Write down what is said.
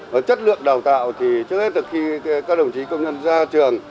và chất lượng đào tạo thì trước hết là khi các đồng chí công nhân ra trường